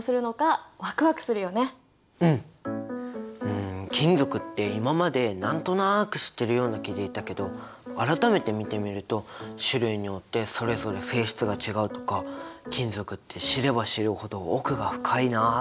うん金属って今まで何となく知ってるような気でいたけど改めて見てみると種類によってそれぞれ性質が違うとか金属って知れば知るほど奥が深いな！